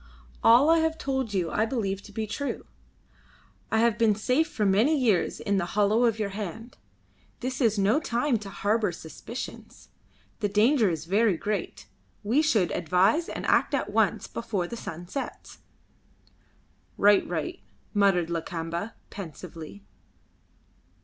All I have told you I believe to be true. I have been safe for many years in the hollow of your hand. This is no time to harbour suspicions. The danger is very great. We should advise and act at once, before the sun sets." "Right. Right," muttered Lakamba, pensively.